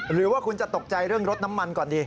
หรือว่าคุณจะตกใจเรื่องรถน้ำมันก่อนดี